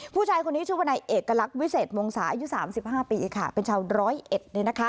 ผู้ชายคนนี้ชื่อวนายเอกลักษณ์วิเศษวงศาอายุ๓๕ปีค่ะเป็นชาวร้อยเอ็ด